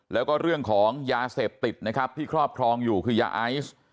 แล้วก็เรื่องของยาเสพติดนะครับที่ครอบครองอยู่คือยาไอซ์